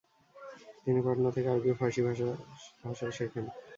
তিনি পাটনা থেকে আরবি ও ফারসি ভাষা ভাষা শেখেন।